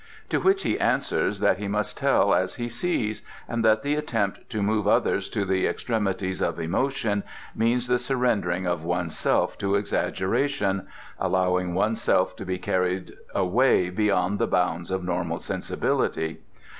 To which he answers that he must tell as he sees, and that the attempt to move others to the extremities of emotion means the surrendering one's self to exaggeration, allowing one's self to be carried away beyond the bounds of normal sensibility.